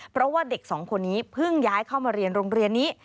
เพราะว่าเด็กสองคนนี้เพิ่งย้ายเข้ามาเรียนโรงเรียนนี้